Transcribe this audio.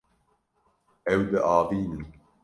Ew diavînin.